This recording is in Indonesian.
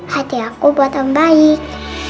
hati aku buatan baik